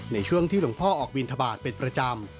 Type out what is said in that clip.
ในช่วงที่หลวงพ่อออกบินทบาทเป็นประจำ